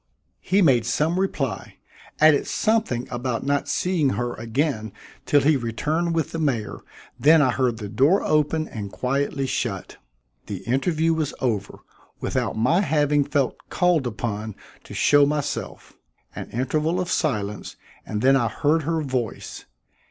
He made some reply, added something about not seeing her again till he returned with the mayor, then I heard the door open and quietly shut. The interview was over, without my having felt called upon to show myself. An interval of silence, and then I heard her voice.